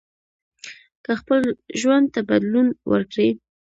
که خپل ژوند ته بدلون ورکړئ